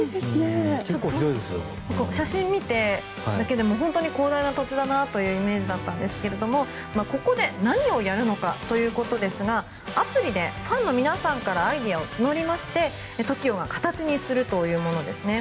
写真を見るだけでも本当に広大な土地だなというイメージだったんですがここで何をやるのかということですがアプリでファンの皆さんからアイデアを募りましてＴＯＫＩＯが形にするというものですね。